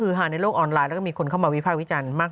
คือฮาในโลกออนไลน์แล้วก็มีคนเข้ามาวิภาควิจารณ์มาก